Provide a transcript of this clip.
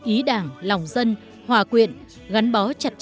ý đảng lòng dân hòa quyện gắn bó chặt chẽ